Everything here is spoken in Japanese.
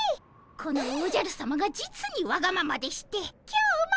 このおじゃるさまが実にわがままでして今日も。